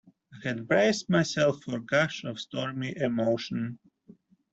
I had braced myself for a gush of stormy emotion.